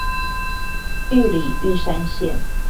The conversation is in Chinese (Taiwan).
玉里玉山線